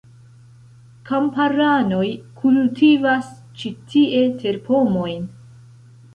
Kamparanoj kultivas ĉi tie terpomojn.